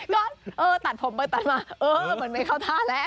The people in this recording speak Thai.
ก็เออตัดผมไปตัดมาเออมันไม่เข้าท่าแล้ว